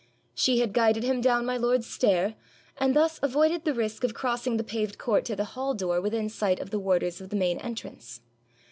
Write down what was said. She had guided him down my lord's stair, and thus avoided the risk of crossing the paved court to the hall door within sight of the warders of the main entrance.